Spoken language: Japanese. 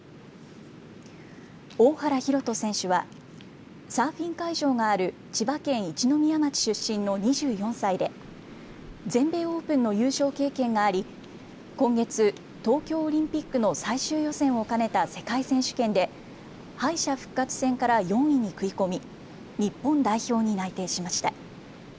大原洋人選手はサーフィン会場がある千葉県一宮町出身の２４歳で全米オープンの優勝経験があり、今月、東京オリンピックの最終予選を兼ねた世界選手権で敗者復活戦から４位に食い込み日本代表に内定しました。